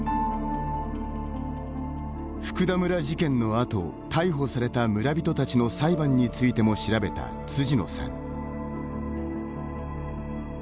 福田村事件のあと逮捕された村人たちの裁判についても調べた辻野さん。